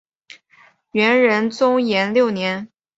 元仁宗延佑六年。